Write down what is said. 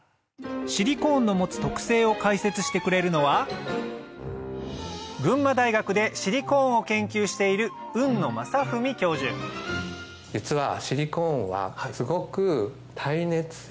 シリコーンの持つ特性を解説してくれるのは群馬大学でシリコーンを研究している実はシリコーンはすごく。